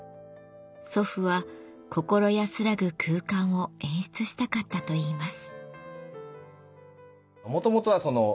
祖父は心安らぐ空間を演出したかったといいます。